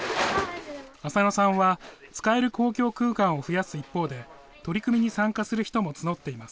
使える公共空間を増やす一方で、取り組みに参加する人も募っています。